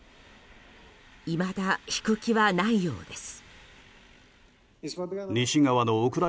いまだ引く気はないようです。